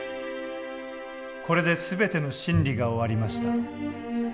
これで全ての審理が終わりました。